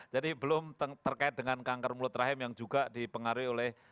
jadi belum terkait dengan kanker mulut rahim yang juga dipengaruhi oleh